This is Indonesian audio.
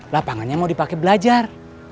lapangannya mau dipake belajar